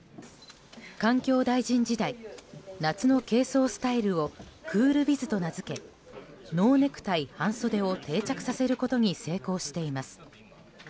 環境大臣時代夏の軽装スタイルをクールビズと名付けノーネクタイ・半袖を定着させることに成功しています。